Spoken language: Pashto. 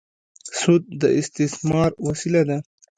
سود د استثمار وسیله ده.